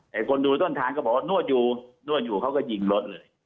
คนดูต้นทางก็บอกว่านวดอยู่นวดอยู่เขาก็ยิงรถเลย